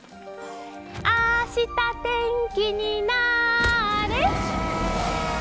「あしたてんきになれ！」